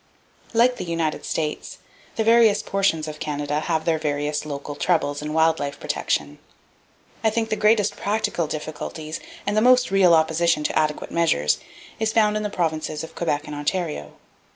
(Page 226.) Like the United States, the various portions of Canada have their various local troubles in wild life protection. I think the greatest practical difficulties, and the most real opposition to adequate measures, is found in the Provinces of Quebec and Ontario.